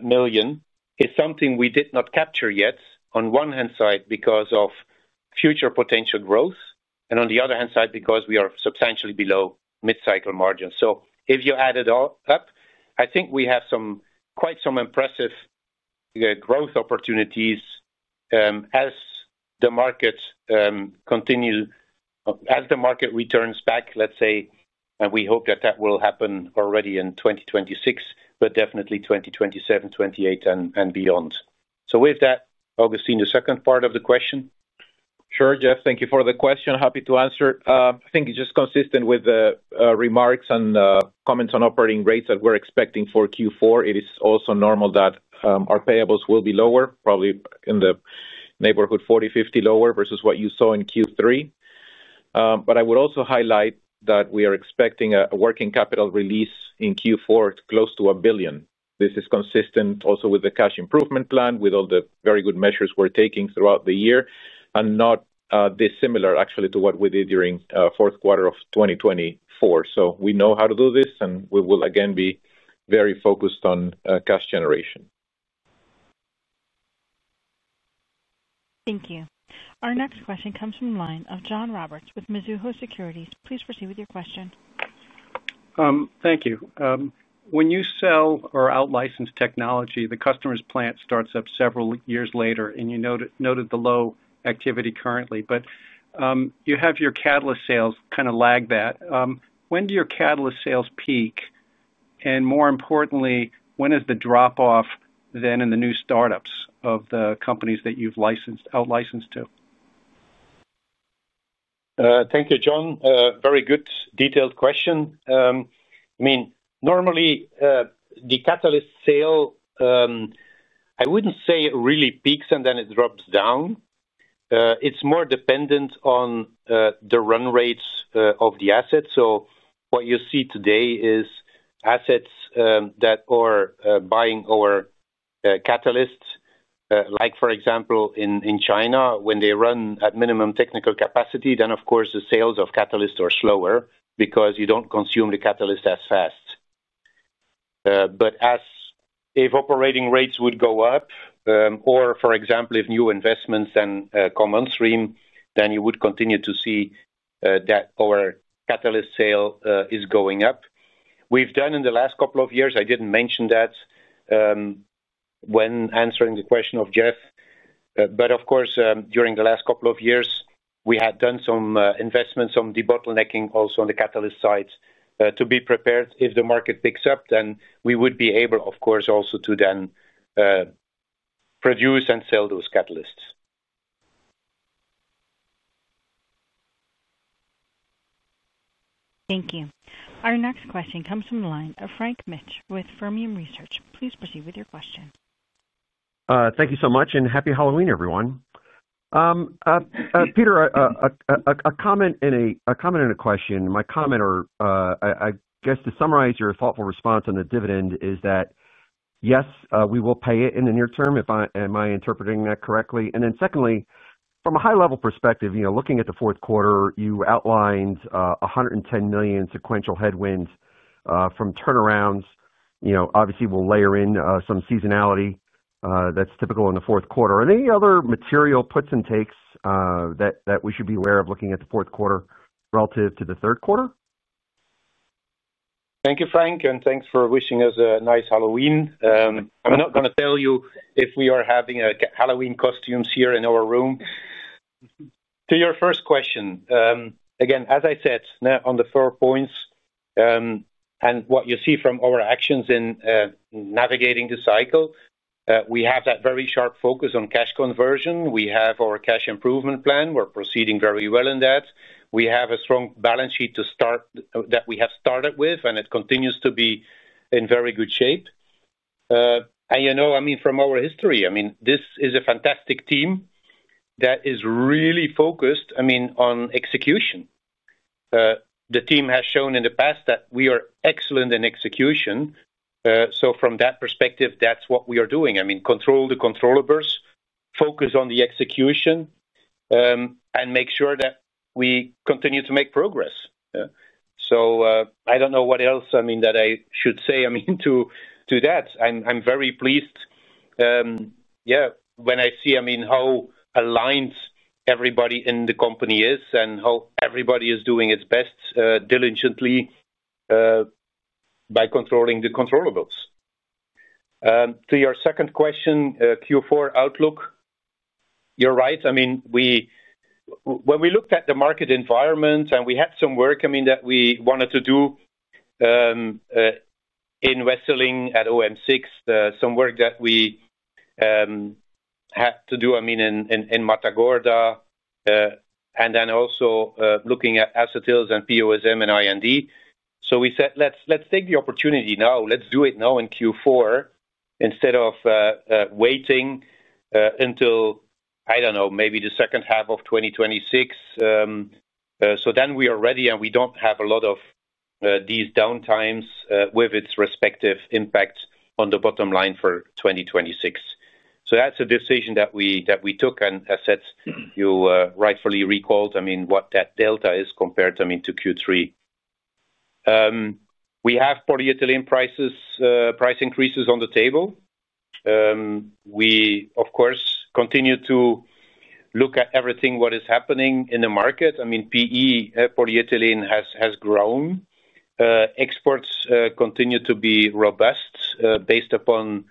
million, is something we did not capture yet on one hand because of future potential growth and on the other hand because we are substantially below mid-cycle margin. If you add it up, I think we have quite some impressive growth opportunities as the market continues, as the market returns back, let's say, and we hope that that will happen already in 2026, but definitely 2027, 2028, and beyond. With that, Augustin, the second part of the question. Sure, Jeff. Thank you for the question. Happy to answer. I think it's just consistent with the remarks and comments on operating rates that we're expecting for Q4. It is also normal that our payables will be lower, probably in the neighborhood of $40 million, $50 million lower versus what you saw in Q3. I would also highlight that we are expecting a working capital release in Q4 close to $1 billion. This is consistent also with the cash improvement plan, with all the very good measures we're taking throughout the year and not dissimilar actually to what we did during the fourth quarter of 2024. We know how to do this and we will again be very focused on cash generation. Thank you. Our next question comes from the line of John Roberts with Mizuho Securities. Please proceed with your question. Thank you. When you sell or out-license technology, the customer's plant starts up several years later, and you noted the low activity currently, but you have your catalyst sales kind of lag that. When do your catalyst sales peak? More importantly, when is the drop-off then in the new startups of the companies that you've out-licensed to? Thank you, John. Very good detailed question. Normally, the catalyst sale, I wouldn't say it really peaks and then it drops down. It's more dependent on the run rates of the assets. What you see today is assets that are buying our catalysts, like for example in China, when they run at minimum technical capacity, then of course the sales of catalysts are slower because you don't consume the catalyst as fast. If operating rates would go up, or for example, if new investments and commons stream, then you would continue to see that our catalyst sale is going up. We've done in the last couple of years, I didn't mention that when answering the question of Jeff, but of course, during the last couple of years, we had done some investments, some debottlenecking also on the catalyst side to be prepared if the market picks up. We would be able, of course, also to then produce and sell those catalysts. Thank you. Our next question comes from the line of Frank Mitsch with Fermium Research. Please proceed with your question. Thank you so much and happy Halloween, everyone. Peter, a comment and a question. My comment, or I guess to summarize your thoughtful response on the dividend, is that yes, we will pay it in the near term, if I am interpreting that correctly. Secondly, from a high-level perspective, looking at the fourth quarter, you outlined $110 million sequential headwinds from turnarounds. Obviously, we'll layer in some seasonality that's typical in the fourth quarter. Are there any other material puts and takes that we should be aware of looking at the fourth quarter relative to the third quarter? Thank you, Frank, and thanks for wishing us a nice Halloween. I'm not going to tell you if we are having Halloween costumes here in our room. To your first question, again, as I said, on the four points. What you see from our actions in navigating the cycle, we have that very sharp focus on cash conversion. We have our cash improvement plan. We're proceeding very well in that. We have a strong balance sheet to start that we have started with, and it continues to be in very good shape. You know, from our history, this is a fantastic team that is really focused on execution. The team has shown in the past that we are excellent in execution. From that perspective, that's what we are doing. Control the controllables, focus on the execution, and make sure that we continue to make progress. I don't know what else I should say to that. I'm very pleased when I see how aligned everybody in the company is and how everybody is doing its best diligently by controlling the controllables. To your second question, Q4 outlook. You're right. When we looked at the market environment and we had some work that we wanted to do in Wesseling at OM6, some work that we had to do in Matagorda, and then also looking at acetyls and PO/SM and I&D, we said, "Let's take the opportunity now. Let's do it now in Q4 instead of waiting until, I don't know, maybe the second half of 2026." Then we are ready and we don't have a lot of these downtimes with its respective impact on the bottom line for 2026. That's a decision that we took and as said, you rightfully recalled what that delta is compared to Q3. We have polyethylene price increases on the table. We, of course, continue to look at everything that is happening in the market. PE polyethylene has grown. Exports continue to be robust based upon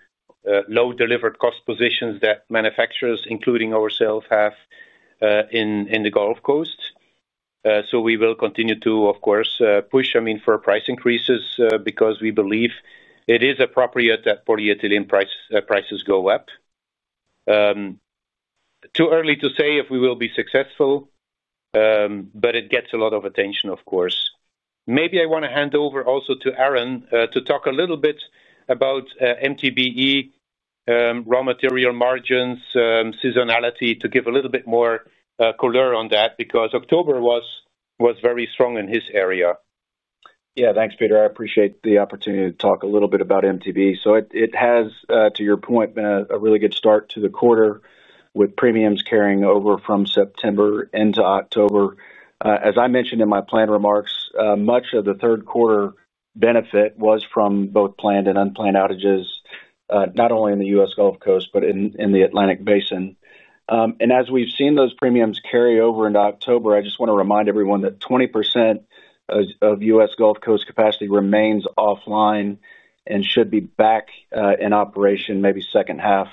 low delivered cost positions that manufacturers, including ourselves, have in the Gulf Coast. We will continue to, of course, push for price increases because we believe it is appropriate that polyethylene prices go up. Too early to say if we will be successful, but it gets a lot of attention, of course. Maybe I want to hand over also to Aaron to talk a little bit about MTBE, raw material margins, seasonality, to give a little bit more color on that because October was very strong in his area. Yeah, thanks, Peter. I appreciate the opportunity to talk a little bit about MTBE. It has, to your point, been a really good start to the quarter with premiums carrying over from September into October. As I mentioned in my planned remarks, much of the third quarter benefit was from both planned and unplanned outages, not only in the U.S. Gulf Coast, but in the Atlantic Basin. As we've seen those premiums carry over into October, I just want to remind everyone that 20% of U.S. Gulf Coast capacity remains offline and should be back in operation maybe second half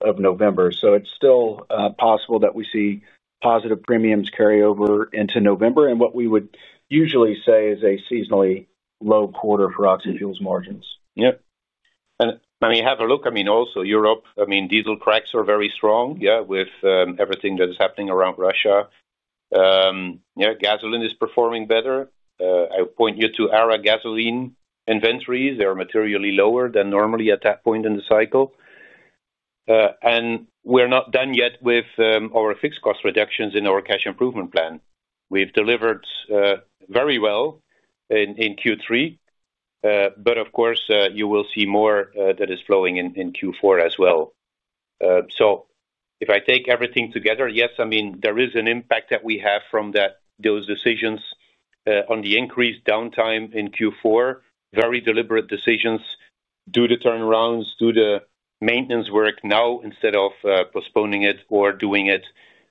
of November. It's still possible that we see positive premiums carry over into November in what we would usually say is a seasonally low quarter for oxygen fuels margins. Yep. I mean, have a look, also Europe, diesel cracks are very strong, with everything that is happening around Russia. Gasoline is performing better. I point you to ARA gasoline inventories. They are materially lower than normally at that point in the cycle. We're not done yet with our fixed cost reductions in our cash improvement plan. We've delivered very well in Q3, but you will see more that is flowing in Q4 as well. If I take everything together, yes, there is an impact that we have from those decisions on the increased downtime in Q4. Very deliberate decisions due to turnarounds, due to maintenance work now instead of postponing it or doing it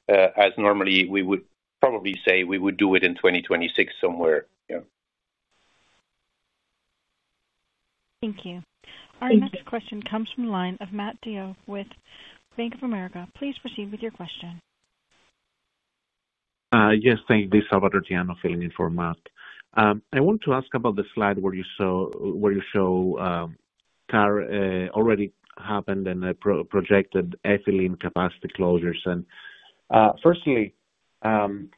as normally we would probably say we would do it in 2026 somewhere. Thank you. Our next question comes from the line of Matt DeYoe with Bank of America. Please proceed with your question. Yes, thank you, its Salvator Tiano. Filling in for Matt. I want to ask about the slide where you show already happened and projected ethylene capacity closures. Firstly, can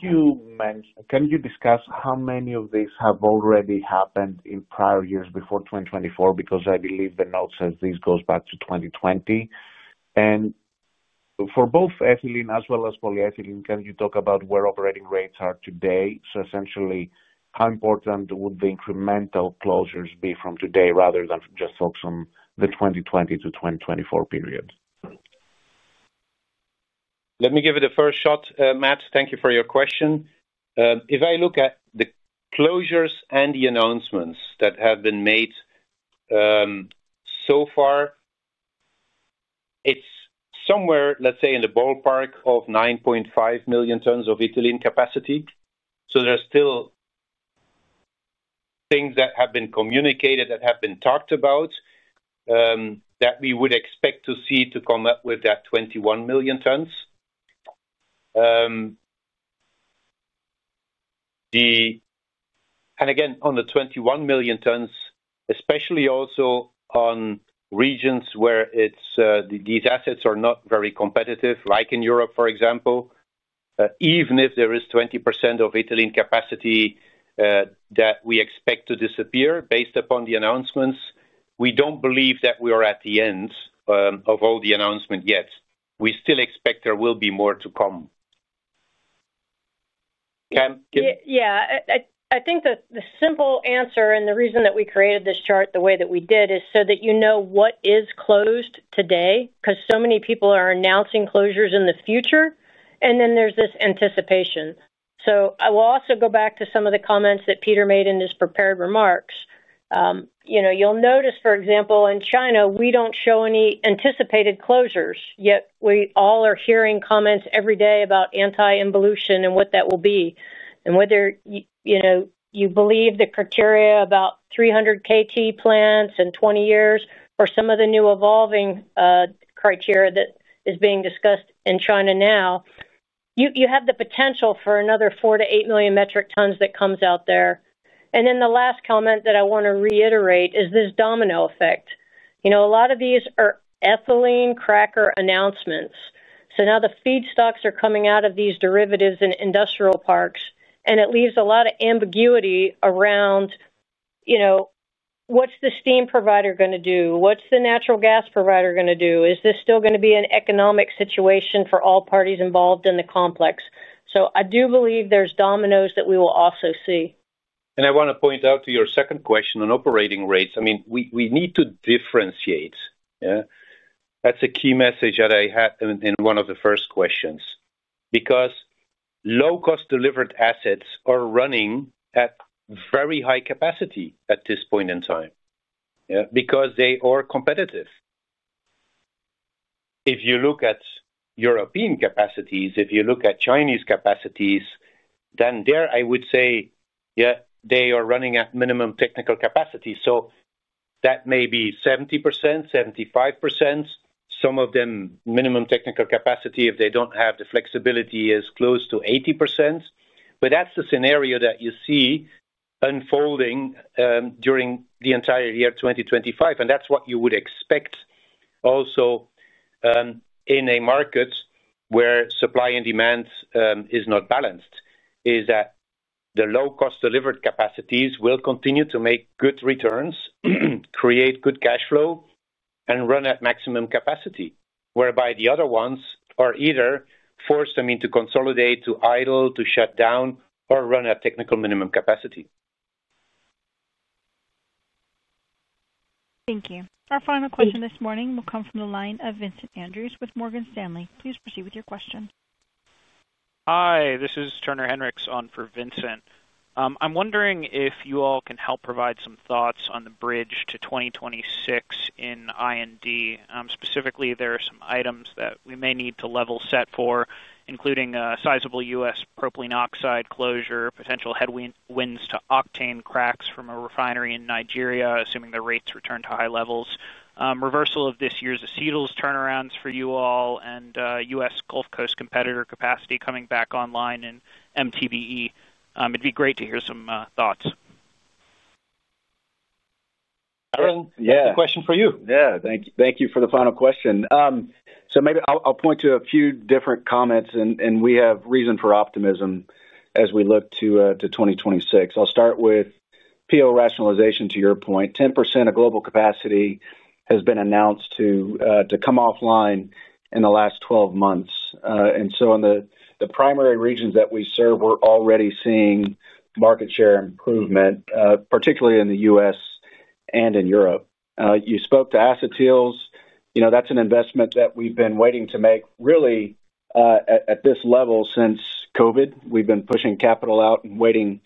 you discuss how many of these have already happened in prior years before 2024? I believe the notes say this goes back to 2020. For both ethylene as well as polyethylene, can you talk about where operating rates are today? Essentially, how important would the incremental closures be from today rather than just focus on the 2020 to 2024 period? Let me give it a first shot, Matt. Thank you for your question. If I look at the closures and the announcements that have been made, so far, it's somewhere, let's say, in the ballpark of 9.5 million tons of ethylene capacity. There are still things that have been communicated that have been talked about that we would expect to see to come up with that 21 million tons. Again, on the 21 million tons, especially also on regions where these assets are not very competitive, like in Europe, for example, even if there is 20% of ethylene capacity that we expect to disappear based upon the announcements, we don't believe that we are at the end of all the announcements yet. We still expect there will be more to come. Yeah. I think the simple answer and the reason that we created this chart the way that we did is so that you know what is closed today because so many people are announcing closures in the future. There is this anticipation. I will also go back to some of the comments that Peter made in his prepared remarks. You'll notice, for example, in China, we don't show any anticipated closures, yet we all are hearing comments every day about anti-evolution and what that will be. Whether you believe the criteria about 300 KT plants and 20 years or some of the new evolving criteria that is being discussed in China now, you have the potential for another 4 million-8 million metric tons that comes out there. The last comment that I want to reiterate is this domino effect. A lot of these are ethylene cracker announcements. Now the feedstocks are coming out of these derivatives and industrial parks, and it leaves a lot of ambiguity around what's the steam provider going to do, what's the natural gas provider going to do, is this still going to be an economic situation for all parties involved in the complex. I do believe there's dominoes that we will also see. I want to point out to your second question on operating rates. We need to differentiate. That's a key message that I had in one of the first questions. Low-cost delivered assets are running at very high capacity at this point in time because they are competitive. If you look at European capacities, if you look at Chinese capacities, then there, I would say they are running at minimum technical capacity. That may be 70%, 75%, some of them minimum technical capacity if they don't have the flexibility is close to 80%. That's the scenario that you see unfolding during the entire year 2025, and that's what you would expect. Also, in a market where supply and demand is not balanced, the low-cost delivered capacities will continue to make good returns, create good cash flow, and run at maximum capacity, whereby the other ones are either forced to consolidate, to idle, to shut down, or run at technical minimum capacity. Thank you. Our final question this morning will come from the line of Vincent Andrews with Morgan Stanley. Please proceed with your question. Hi, this is Turner Hinrichs on for Vincent. I'm wondering if you all can help provide some thoughts on the bridge to 2026 in I&D. Specifically, there are some items that we may need to level set for, including a sizable U.S. propylene oxide closure, potential headwinds to octane cracks from a refinery in Nigeria, assuming the rates return to high levels, reversal of this year's acetyls turnarounds for you all, and U.S. Gulf Coast competitor capacity coming back online in MTBE. It'd be great to hear some thoughts. Aaron, a question for you. Yeah, thank you for the final question. Maybe I'll point to a few different comments, and we have reason for optimism as we look to 2026. I'll start with PO rationalization to your point. 10% of global capacity has been announced to come offline in the last 12 months. In the primary regions that we serve, we're already seeing market share improvement, particularly in the U.S. and in Europe. You spoke to acetyls. That's an investment that we've been waiting to make really at this level since COVID. We've been pushing capital out and waiting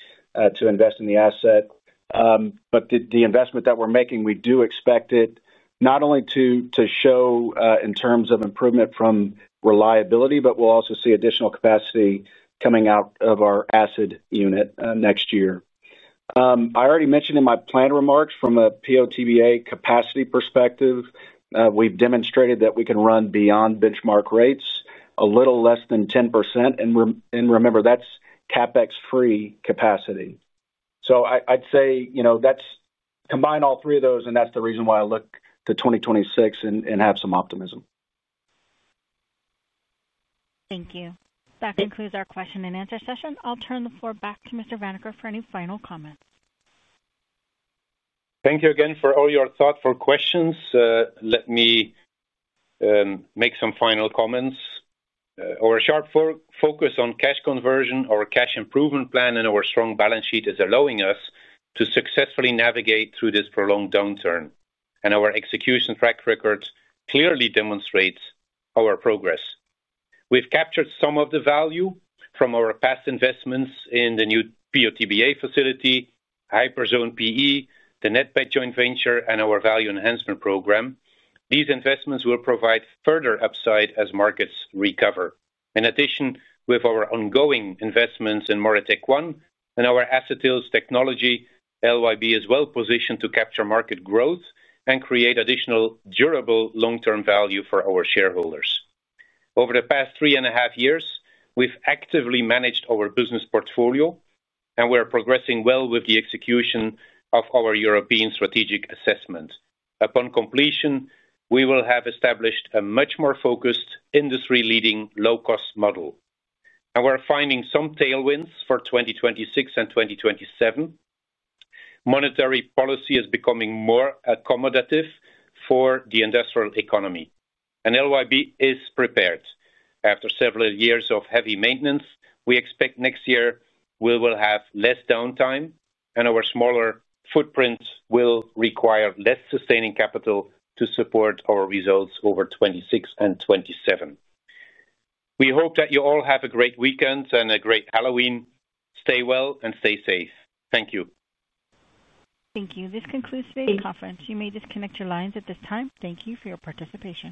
to invest in the asset. The investment that we're making, we do expect it not only to show in terms of improvement from reliability, but we'll also see additional capacity coming out of our acid unit next year. I already mentioned in my planned remarks from a PO/TBA capacity perspective, we've demonstrated that we can run beyond benchmark rates a little less than 10%. Remember, that's CapEx-free capacity. I'd say combine all three of those, and that's the reason why I look to 2026 and have some optimism. Thank you. That concludes our question and answer session. I'll turn the floor back to Mr. Vanacker for any final comments. Thank you again for all your thoughts and questions. Let me make some final comments. Our sharp focus on cash conversion, our cash improvement plan, and our strong balance sheet is allowing us to successfully navigate through this prolonged downturn. Our execution track record clearly demonstrates our progress. We've captured some of the value from our past investments in the new PO/TBA facility, Hyperzone PE, the NATPET joint venture, and our value enhancement program. These investments will provide further upside as markets recover. In addition, with our ongoing investments in MoReTec-1 and our acetyls technology, LYB is well positioned to capture market growth and create additional durable long-term value for our shareholders. Over the past three and a half years, we've actively managed our business portfolio, and we are progressing well with the execution of our European strategic assessment. Upon completion, we will have established a much more focused industry-leading low-cost model. We're finding some tailwinds for 2026 and 2027. Monetary policy is becoming more accommodative for the industrial economy. LyondellBasell Industries is prepared. After several years of heavy maintenance, we expect next year we will have less downtime, and our smaller footprint will require less sustaining capital to support our results over 2026 and 2027. We hope that you all have a great weekend and a great Halloween. Stay well and stay safe. Thank you. Thank you. This concludes today's conference. You may disconnect your lines at this time. Thank you for your participation.